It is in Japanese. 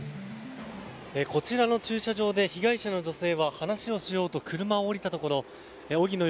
こちらの駐車場で被害者の女性は話をしようと車を降りたところ荻野